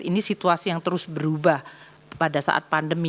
ini situasi yang terus berubah pada saat pandemi